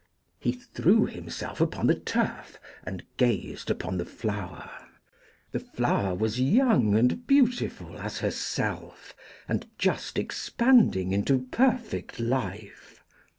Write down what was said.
He threw himself upon the turf, and gazed upon the flower. The flower was young and beautiful as herself, and just expanding into perfect life.